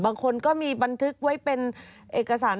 บางคนก็มีบันทึกไว้เป็นเอกสาร